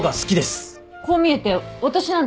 こう見えて私なんてね